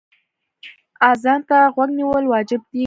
اذان ته غوږ نیول واجب دی.